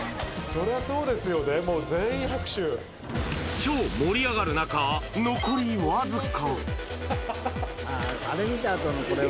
そりゃそうですよね、もう全超盛り上がる中、残り僅か。